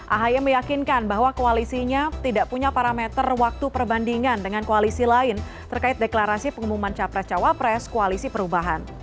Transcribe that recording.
ahy meyakinkan bahwa koalisinya tidak punya parameter waktu perbandingan dengan koalisi lain terkait deklarasi pengumuman capres cawapres koalisi perubahan